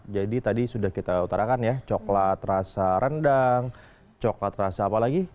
jadi tadi sudah kita utarakan ya coklat rasa rendang coklat rasa apa lagi